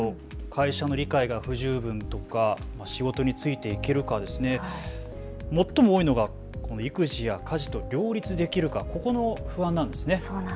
会社の理解が不十分とか、仕事についていけるか、最も多いのが育児や家事と両立できるか、ここの不安なんですね。